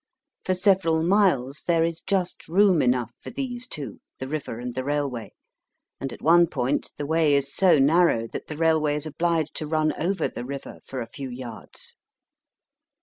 For several miles there is just room enough for these two, the river and the railway, and at one point the way is so narrow that the railway is obliged to run over the river for a few yards.